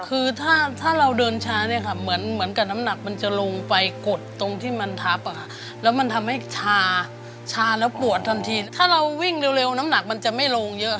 คือถ้าถ้าเราเดินชาเนี่ยค่ะเหมือนเหมือนกับน้ำหนักมันจะลงไปกดตรงที่มันทับอ่ะค่ะแล้วมันทำให้ชาชาแล้วปวดทันทีถ้าเราวิ่งเร็วน้ำหนักมันจะไม่ลงเยอะค่ะ